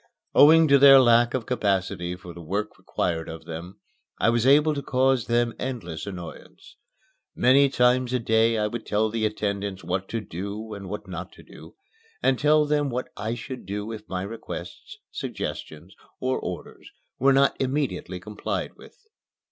Owing to their lack of capacity for the work required of them, I was able to cause them endless annoyance. Many times a day I would tell the attendants what to do and what not to do, and tell them what I should do if my requests, suggestions, or orders were not immediately complied with.